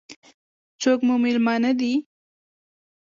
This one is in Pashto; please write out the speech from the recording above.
څوک مو مېلمانه دي؟